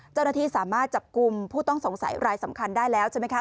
เจ้าหน้าที่สามารถจับกลุ่มผู้ต้องสงสัยรายสำคัญได้แล้วใช่ไหมคะ